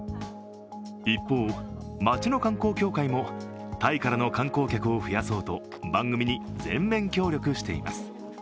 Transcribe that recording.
一方、町の観光協会もタイからの観光客を増やそうと番組に全面協力しています。